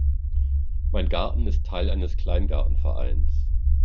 Mein Garten ist Teil eines Kleingartenvereins.